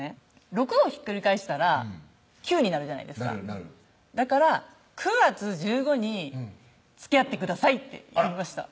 ６をひっくり返したら９になるじゃないですか「だから９月１５につきあってください」と言いました